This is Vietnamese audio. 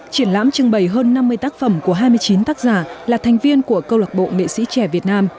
triển lãm trưng bày hơn năm mươi tác phẩm của hai mươi chín tác giả là thành viên của câu lạc bộ nghệ sĩ trẻ việt nam